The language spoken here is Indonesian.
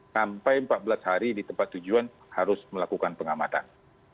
sampai empat belas hari di tempat tujuan harus melakukan pengamatan